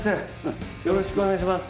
よろしくお願いします。